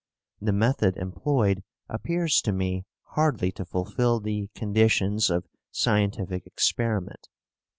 The method employed appears to me hardly to fulfil the conditions of scientific experiment.